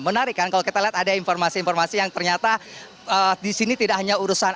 menarik kan kalau kita lihat ada informasi informasi yang ternyata di sini tidak hanya urusan